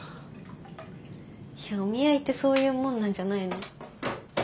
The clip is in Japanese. いやお見合いってそういうもんなんじゃないの？